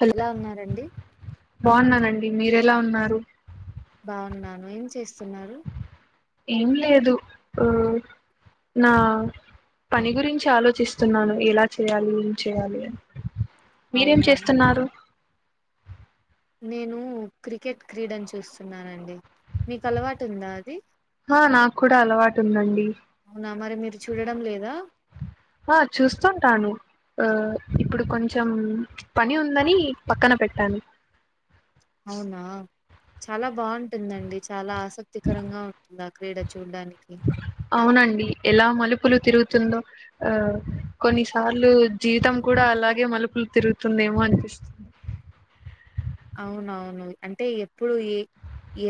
Hello ఎలా ఉన్నారండి? మి మీరెలా ఉన్నారు? బాగున్నాను ఏం చేస్తున్నారు. ఏం లేదు. నా పని గురించి ఆలోచిస్తున్నాను ఎలా చేయాలి ఏం చేయాలి అన్ మీరేం అవునా చేస్తున్నారు? నేను క్రికెట్ క్రీడన్ చూస్తున్నానండి మీక్ అలవాటుందా అది హా నాక్కూడా అలవాటుందండి. అవునా మరి మీరు చూడడం లేదా హా చూస్తుంటాను. ఆ ఇప్పుడు కొంచం పని ఉందని పక్కన పెట్టాను. అవునా చాలా బాగుంటుందండి చాలా ఆశక్తికరంగా ఉంటుంది ఆ క్రీడ చూడ్డానికి. అవునండి ఎలా మలుపులు తిరుగుతుందో ఆ కొన్నిసార్లూ జీవితం కూడా అలాగే మలుపులు తిరుగుతుందేమో అనిపిస్తుం అవునవును అంటే ఎప్పుడు ఏ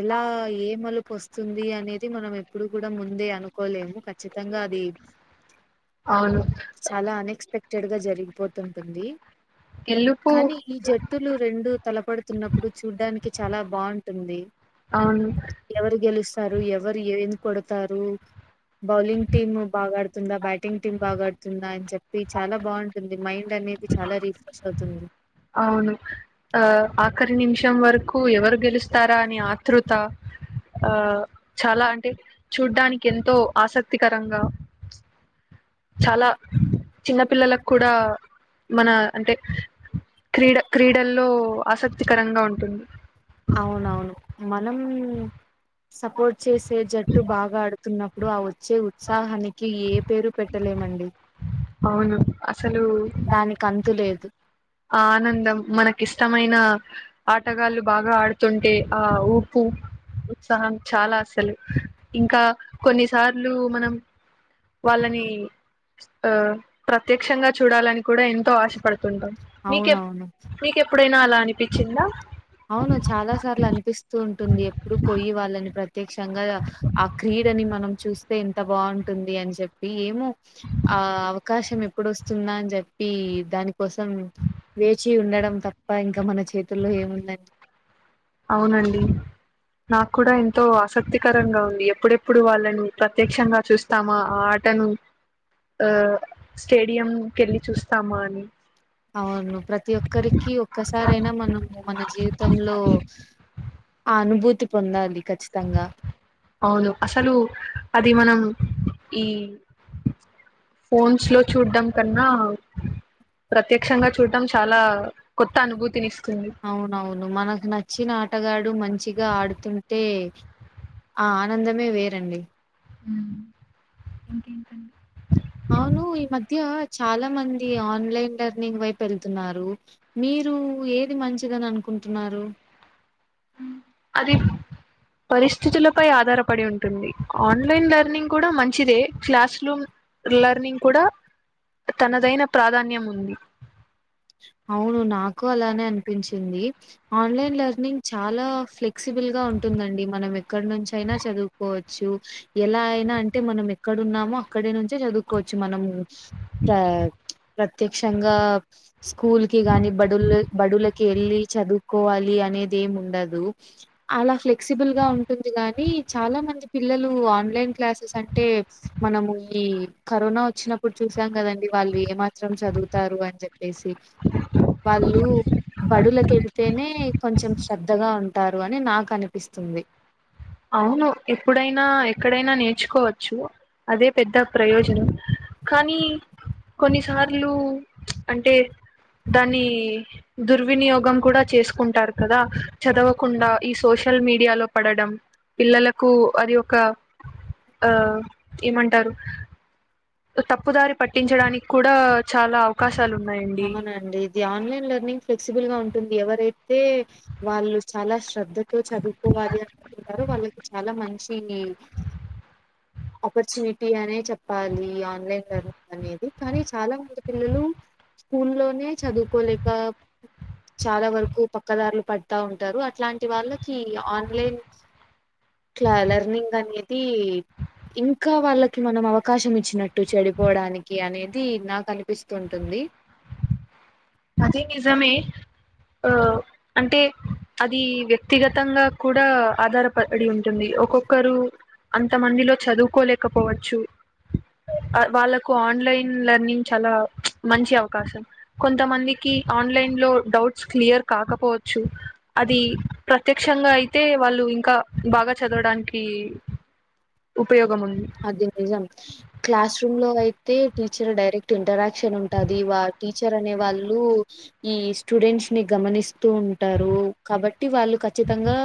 ఎలా ఏ మలుపొస్తుంది అనేది మనం ఎప్పుడు కూడా ముందే అనుకోలేము ఖచ్చితంగా అది అవును చాలా అనెక్సపెక్టెడ్ గా జరిగిపోతుంటుంది. గెలుపు కానీ ఈ జట్టులు రెండు తలపడుతున్నపుడు చూడ్డానికి చాలా బాగుంటుంది. అవును ఎవరు గెలుస్తారు ఎ ఎవరు ఏం కొడ్తారు బౌలింగ్ టీము బాగా ఆడ్ తుందా బ్యాటింగ్ టీమ్ బాగాడుతుందా అన్ చెప్పి చాలా బాగుంటుంది మైండ్ అనేది చాలా రీఫ్రెష్ అవు తుంది. అవును ఆ ఆఖరి నిమిషం వరకు ఎవరు గెలుస్తారా అని ఆతృత ఆ చాలా అంటే చూడ్డానికి ఎంతో ఆసక్తికరంగా చాలా చిన్న పిల్లలక్కూడా మన అంటే క్రీడ క్రీడల్లో ఆసక్తికరంగా ఉంటుంది. అవునవును మనం సపోర్ట్ చేసే జట్టు బాగా ఆడుతున్నప్ వచ్చే ఉత్సాహానికి ఏ పేరు పెట్టలేమండి. అవును అసలు దానికి అంతు లేదు ఆ ఆనందం మనకిష్టమైన ఆటగాళ్ళు బాగా ఆడుతుంటే ఆహ్ ఊపు ఉత్చాహం చాలా అసలు ఇంకా కొన్నిసార్లు మనం వాళ్ళని ఆ ప్రత్యక్షంగా చూడాలని కూడా ఎంతో ఆశపడు తుంటం మీకెప్ అవునవును మీకెప్పుడైనా అలా అనిపించిందా అవును చాలా సార్లు అనిపిస్తూ ఉంటుంది. ఎప్పుడు పోయి వాళ్ళని ప్రత్ త్యక్షంగా ఆ క్రీడని మనం చూస్తే ఎంత బాగుంటుంది అని చెప్పి ఏమో ఆ అవకాశం ఎప్పుడొస్తుంద అని జేప్పి దానిక్ కోసం వేచి ఉండడం తప్ప ఇంకా మన చేతుల్లో ఏముందన్ ఔనండి నాకు కూడా ఎంతో ఆసక్తికరంగా ఉంది. ఎప్పుడెప్పుడు వాళ్ళని ప్రత్యక్షంగా చూస్తామా ఆ టను ఆ స్టేడియం కెళ్ళి చూస్తామా అని అవును ప్రతి ఒక్కరికి ఒక్కసారైనా మనము మన జీవితంలో ఆ అనుభూతి పొందాలి ఖచ్చితంగా ఔను అసలూ అది మనం ఈ ఫోన్స్ లో చూడ్డం కన్నా ప్రత్యక్షంగా చూడ్డం చాలా కొత్త అనుభూతినిస్ అవునవును మనకు నచ్చిన ఆటగాడు మంచిగా ఆడుతుంటే ఆ ఆనందమే వేరండి. ఇంకేంటండి అవునూ ఈ మధ్య చాలా మంది ఆన్లైన్ లర్నింగ్ వైపు ఎళ్తున్నారు. మీరు ఏది మంచిదని అనుకుంటున్నారు. అది పరిస్థితులపై ఆధారపడి ఉంటుంది. ఆన్లైన్ లర్నింగ్ కూడా మంచిదే క్లాస్లు లర్నింగ్ కూడా తనదైన ప్రాధాన్యం ఉంది. అవును నాకు అలానే అనిపించింది. ఆన్లైన్ లెర్నింగ్ చాలా ఫ్లెక్సిబుల్ గా ఉన్ ఉందండి మనం ఎక్కడ్నుంచైనా చదువుకోవచ్చు. ఎలా అయినా అంటే మనం ఎక్కడున్నామో అక్కడ్ నుంచే జదువుకోవచ్చు మనము ప్ర ప్రత్యక్షంగా స్కూల్ కి గాని బడుల బడులకి ఎళ్ళి చదువ్కోవాలి. అనేది ఏమి ఉండదు. అలా ఫ్లెక్సిబుల్ గా ఉంటుంది గాని, చాలా మంది పిల్లలు ఆన్లైన్ క్లాసెస్ అంటే మనము ఈ కరోనా ఒచ్చినప్పుడు చూసాం కదండి. వాళ్ళు ఏ మాత్రం చదువుతారు అని జెప్ పేసి వాళ్ళు బడులకెళ్తేనే కొంచం శ్రద్ధగా ఉన్ టారు అని నాక్ అనిపిస్తుంది అవును ఎప్పుడైనా ఎక్కడైనా నేర్చుకోవచ్చు. అదే పెద్ద ప్రయోజనం కానీ కొన్నిసార్లు అంటే దానీ దుర్వినియోగం కూడా చేసుకుంటారు కదా. చదవకుండా ఈ సోషల్ మీడియాలో పడడం పిల్లలకు అది ఒక ఆ ఏమంటారు తప్పుదారి పట్టించడానిక్ కూడా చాలా అవకాశ అవునండి ఇది ఆన్లైన్ లర్నింగ్ ఫె విసిబుల్ గా ఉంటుంది. ఎవరైతే వాళ్ళు చాలా శ్రద్ధ తో చదువుకోవాలి అనుకుంటరో వాళ్ళకి చాలా మంచిని ఆపర్చునిటీ అనే చెప్పాలి. ఆన్లైన్ లెర్నింగ్ అనేది కానీ చాలా మంది పిల్లలు స్కూల్లోనే చదువుకోలేక చాలా వరకు పక్కదార్లు పడతా ఉంటారు అట్లాంటి వాళ్ళకి ఆన్లైన్ కలా లర్నింగ్ అనేది ఇంకా వాళ్ళకి మనం అవకాశం ఇచ్చినట్టు చెడిపోవడానికి అని ఇది నాకు అనిపిస్తుంటుంది అది నిజమే ఆ అంటే అది వ్యక్తిగతంగా కూడా ఆధారపడి ఉం టుంది ఒక్కొక్కరు అంత మందిలో చదువుకోలేకపోవచ్చు వాళ్ళకు ఆన్లైన్ లర్నింగ్ చాలా మంచి అవకాశం కొం కొంత మందికి ఆన్లైన్ లో డౌట్స్ క్లియర్ కాకపోవచ్చు అది ప్రత్యక్షంగా అయితే వాళ్ళు ఇంకా బాగా చదవడానికి ఉపయోగం ఉంది అది నిజం క్లాస్ రూమ్లో అయి తే టీచింగ్ డైరెక్ట్ ఇంటరాక్షన్ ఉంటది వా టీచర్ అనే వాళ్ళు ఈ స్టూడెంట్స్ ని గమనిస్తూ ఉంటారు కాబట్టి వాళ్ళు ఖచ్చితంగా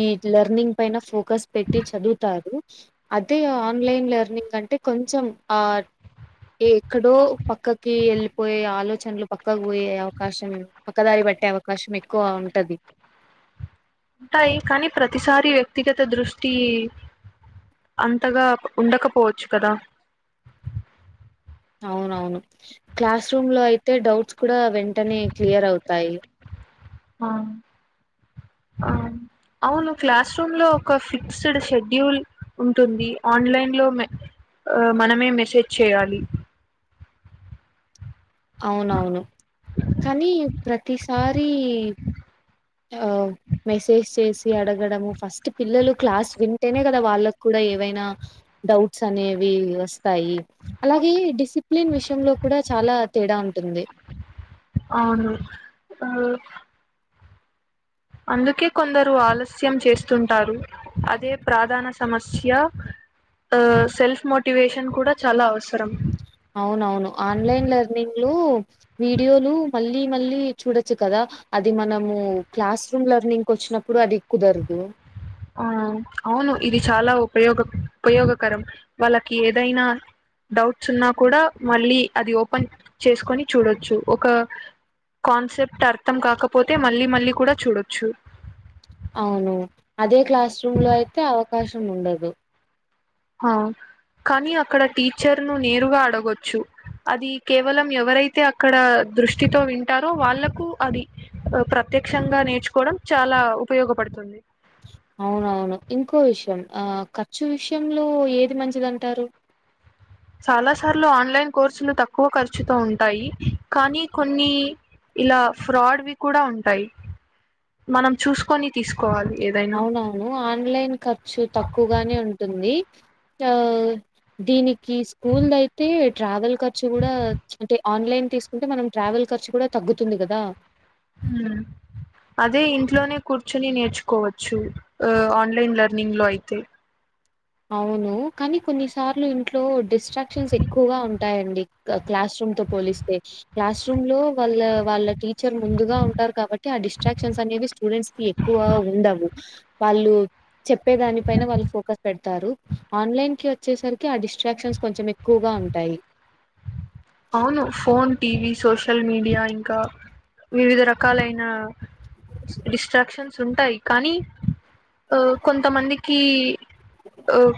ఈ లెర్నింగ్ పైన ఫోకస్ పెట్టి చదువుతారు అ యితే ఆన్లైన్ లెర్నింగ్ కంటే కొంచెం ఆ ఎక్కడో పక్కకి వెళ్ళిపోయే ఆలోచనలు పక్కకు పోయే అవకాశం పక్కదారి పట్టే అవకాశం ఎక్కువ ఉంటది ఉంటాయి కానీ ప్రతిసారి వ్యక్తిగత దృష్టి అంతగా ఉండకపోవచ్చు కదా అవునవును క్లాస్ రూమ్లో అయితే డౌట్స్ కూడా వెంటనే క్లియర్ అవుతాయి ఆ ఆ అవును క్లాస్ రూమ్ లో ఒక ఫిక్స్డ్ షెడ్యూల్ ఉంటుంది ఆన్లైన్ లో ఆ మనమే మెసేజ్ చేయాలి అవునవును కానీ ప్రతిసారి ఆ మెసేజ్ చేసి అడగడం ఫస్ట్ పిల్లలు క్లాస్ వింటేనే కదా వాళ్ళకు కూడా ఏవైనా డౌట్స్ అనేవి వస్తాయి అలాగే డిసిప్లిన్ విషయంలో కూడా చాలా తేడా ఉంటుంది అవును ఆ అందుకే కొందరు ఆలస్యం చేస్తుంటారు అదే ప్రాధాన సమస్య సెల్ఫ్ మోటివేషన్ కూడా చాలా అవసరం అవునవును ఆన్లైన్ లెర్నింగ్ లో వీడియోలు మళ్ళీ మళ్ళీ చూడొచ్చు కదా అది మనము క్లాస్ రూమ్ లర్నింగ్ కొచ్చినప్పుడు అది కుదరదు ఆ అవును ఇది చాలా ఉపయోగం ఉపయోగకరం వాళ్ళకి ఏదైనా డౌట్స్ ఉన్నా కూడా మళ్ళీ అది ఓపెన్ చేసుకొని చూడొచ్చు ఒక కాన్సెప్ట్ అర్థం కాకపోతే మళ్ళీ మళ్ళీ కూడా చూడొచ్చు అవును అదే క్లాస్ రూమ్ లో అయితే అవకాశం ఉండదు ఆ కానీ అక్కడ టీచర్ ను నేరుగా అడగొచ్చు అది కేవలం ఎవరైతే అక్కడ దృష్ టితో వింటారో వాళ్ళలకు అది ప్రత్యక్షంగా నేర్చు కోవడం చాలా ఉపయోగపడుతుంది ఆ ఖర్చు విషయంలో ఏది మంచిది అంటారు చాలా సార్లు ఆన్లైన్ కోర్సులు తక్కువ ఖర్చుతో ఉంటాయి. కానీ కొన్ని ఇలా ఫ్రాడ్వి కూడా ఉంటాయి. మనం చూసుకొని తీసుకోవాలి. ఏదైనా అవునవును ఆన్లైన్ ఖర్చుఊ తక్కువగానే ఉంటుంది ఆహ్. దీనికి స్కూల్ అయితే ట్రావెల్ ఖర్చు కూడా అంటే ఆన్లైన్ తీసుకుంటే మనం ట్రావెల్ ఖర్చు కూడా తగ్గుతుంది కదా హమ్ అదే ఇంట్లోనే కూర్చొని నేర్చుకోవచ్చు ఉ ఆన్లైన్ లెర్నింగ్ లో అయితే అవును కానీ కొన్నిసార్లు ఇంట్లో డిస్ట్రాక్షన్స్ ఎక్కువగా ఉంటాయండి క్లాస్. క్లాస్ రూమ్ తో పోలిస్తే క్లాస్ రూమ్ లో వాళ్ళ వాళ్ళ టీచర్ ముందుగా ఉంటారు కాబట్టి ఆ డిస్ట్రాక్షన్ అన్. అనేవీ స్టూడెంట్స్ కి ఎక్కువ ఉండవు వాళ్ళు చెప్పేదాని పైన వాళ్ళు ఫోకస్. ఆన్లైన్ కి వచ్చేసరికి ఆ డిస్ట్రాక్షన్స్ కొంచెం ఎక్కువగా ఉంటాయి. అవును ఫోన్ టీవీ సోషల్ మీడియా ఇంకా వివిధ రకాలైన. డిస్ట్రాక్షన్స్ ఉంటాయి కానీ. ఆహ్ కొంతమందికి ఆహ్.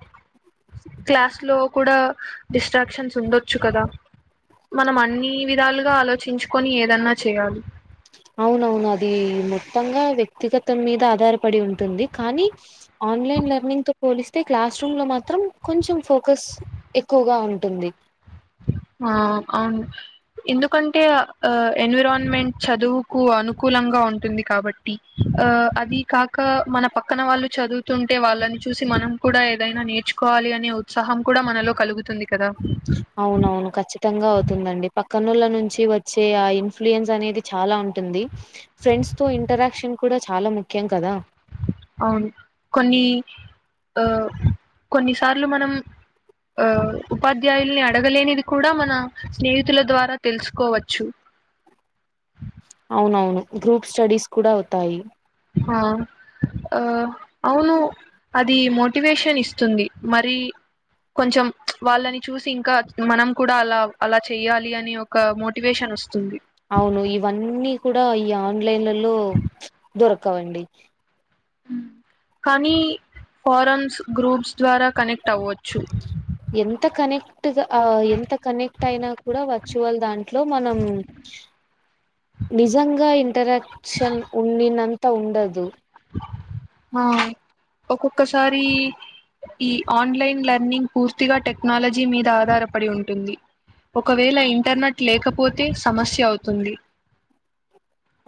క్లాస్ లో కూడా డిస్ట్రాక్షన్స్ ఉండొచ్చు కదా. మనం అన్ని విధాలుగా ఆలోచించుకొని ఏదన్నా చేయాలి. అవునవును అది మొత్తంగా వ్యక్తిగతం మీద ఆధారపడి ఉంటుంది కానీ. ఆన్లైన్ లెర్నింగ్ తో పోలిస్తే క్లాస్ రూమ్ లో మాత్రం కొంచెం ఫోకస్ ఎక్కువగా ఉంటుంది. ఆహ్ అవును ఎందుకంటే. ఆహ్ ఎన్విరాన్మెంట్ చదువుకు అనుకూలంగా ఉంటుంది కాబట్టి ఆహ్ అది కాక. ఆహ్ మన పక్కన వాళ్ళు చదువుతుంటే వాళ్ళని చూసి మనం. కూడా ఏదైనా నేర్చుకోవాలి అనే ఉత్సాహం కూడా మనలో కలుగుతుంది కదా. అవునవును ఖచ్చితంగా అవుతుందండి పక్కనొళ్ళ నుంచి వచ్చే ఆ ఇన్ఫ్లుయన్స్ అనేది చాలా ఉంటుంది. ఫ్రెండ్స్ తో ఇంటరాక్షన్ కూడా చాలా ముఖ్యం కదా. అవును కొన్ని ఆహ్ కొన్నిసార్లు మనం. ఆహ్ ఉపాధ్యాయుల్ని అడగలేనిది కూడా మన స్నేహితుల ద్వారా తెలుసుకోవచ్చు. అవునవును గ్రూప్ స్టడీస్ కూడా అవుతాయి. ఆహ్ ఆహ్ అవును. అది మోటివేషన్ ఇస్తుంది మరి కొంచెం వాళ్ళని చూసి ఇంకా. మనం కూడా అలా అలా చెయ్యాలి అనే ఒక మోటివేషన్ వస్తుంది. అవును ఇవన్నీ కూడా ఈ ఆన్లైన్లలో ప్చ్ దొరకవండి. కానీ ఫారెన్స్ గ్రూప్స్ ద్వారా కనెక్ట్ అవ్వచ్చు. కరెక్ట్ గా ఆహ్ ఎంత కనెక్ట్ అయినా కూడా వర్చువల్ దాంట్లో మనం. నిజంగా ఇంటరాక్షన్ ఉండినంత ఉండదు. ఆహ్ ఒక్కొక్కసారి. ఈ ఆన్లైన్ లెర్నింగ్ పూర్తిగా టెక్నాలజీ మీద ఆధారపడి ఉంటుంది. ఒకవేళ ఇంటర్నెట్ లేకపోతే సమస్య అవుతుంది.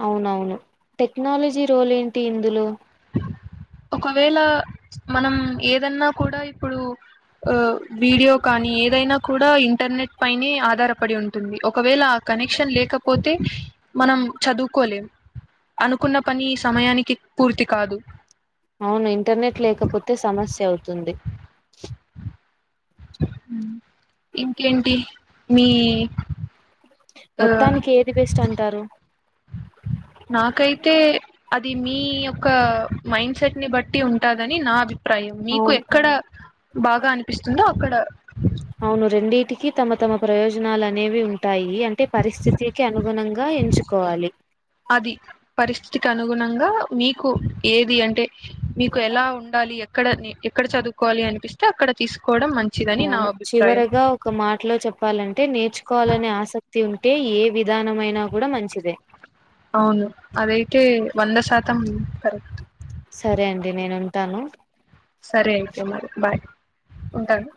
అవునవును టెక్నాలజీ రోలేంటి ఇందులో. ఒకవేళ మనం ఏదన్నా కూడా ఇప్పుడు. ఆహ్ వీడియో కానీ ఏదైనా కూడా ఇంటర్నెట్ పైనే ఆధారపడి ఉంటుంది ఒకవేళ. కనెక్షన్ లేకపోతే మనం చదువుకోలేం. అనుకున్న పని ఈ సమయానికి పూర్తి కాదు. అవునే ఇంటర్నెట్ లేకపోతే సమస్య అవుతుంది. ఇంకేంటి మీ. ఆ మొత్తానికి ఏది బెస్ట్ అంటారు. నాకైతే అది మీ యొక్క మైండ్ సెట్ ని బట్టి ఉం. ఉంటదని నా అభిప్రాయం మీకు అవును. ఎక్కడ బాగా అనిపిస్తుందో అక్కడ. అవును రెండిటికిీ తమ తమ ప్రయోజనాలు అనేవి ఉ ఉంటాయి అంటే పరిస్థితికి అనుగుణంగా ఎంచుకోవాలి వ అనుగుణంగా మీకు ఏది అంటే మీకు ఎలా ఉండాలి ఎక్కడ నీ ఎక్కడ చదువు కోలి అనిపిస్త అడ తీస్ అవును చివరగా ఒక మాటలో చెప్పాలంటే నేర్చుకోవాలనే ఆసక్తి ఉంటే ఏవి విధానమైన కూడా మంచిదే. అంతే వంద శాతం కరెక్ట్. సరే అండి నేనుంటాను. సరే అయితే మరి బాయ్ ఉంటాను.